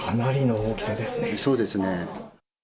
そうですね。